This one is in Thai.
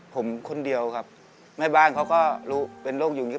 ผมคนเดียวครับไม่บ้างเขาก็เป็นโลกอยู่นี้